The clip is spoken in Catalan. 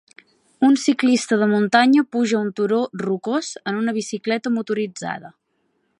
Un ciclista de muntanya puja un turó rocós en una bicicleta motoritzada.